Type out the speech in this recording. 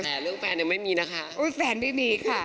แต่เรื่องแฟนยังไม่มีนะคะแฟนไม่มีค่ะ